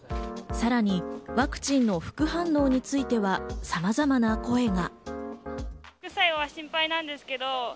さらにワクチンの副反応についてはさまざまな声が。